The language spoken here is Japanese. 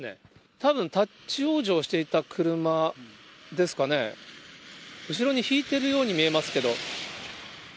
たぶん立往生していた車ですかね、後ろに引いてるように見えますけど。